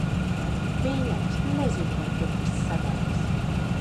Mīļais, nezinu, vai tur kas sanāks.